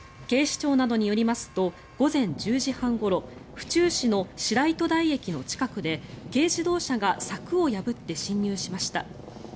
警視庁などによりますと午前１０時半ごろ府中市の白糸台駅の近くで軽自動車が柵を破って進入しました。